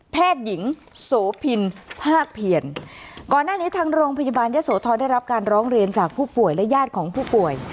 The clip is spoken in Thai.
หญิงโสพินภาคเพียรก่อนหน้านี้ทางโรงพยาบาลยะโสธรได้รับการร้องเรียนจากผู้ป่วยและญาติของผู้ป่วย